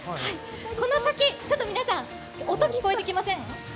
この先、音聞こえてきません？